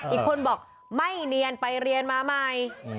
อีกคนบอกไม่เนียนไปเรียนมาใหม่